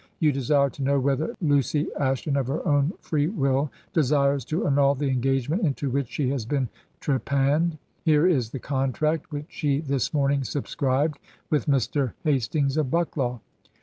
You desire to know whether Lucy Ashton of her own free will desires to annul the engagement into which she has been trepanned. ... Here is the contract which she this morning subscribed ... with Mr. Hastings of Bucklaw.'